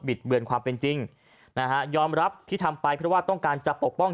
เบือนความเป็นจริงนะฮะยอมรับที่ทำไปเพราะว่าต้องการจะปกป้อง